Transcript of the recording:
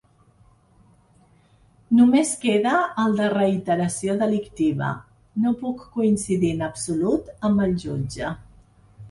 Només queda el de reiteració delictiva, no puc coincidir en absolut amb el jutge.